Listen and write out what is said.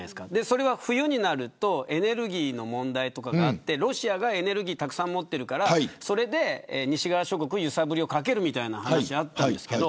それは冬になるとエネルギーの問題とかがあってロシアがエネルギーをたくさん持っているから西側諸国に揺さぶりをかける話があったんですが